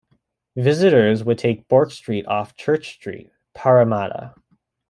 Visitors would take Bourke Street off Church Street, Parramatta.